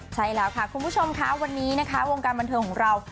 ใช่แล้วค่ะคุณผู้ชมนะคะวันนี้วงการบรรเทลมองเรา